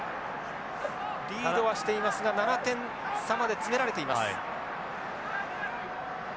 リードはしていますが７点差まで詰められています。